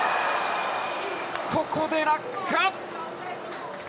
ここで落下。